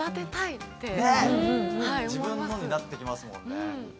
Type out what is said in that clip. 自分のになって来ますもんね。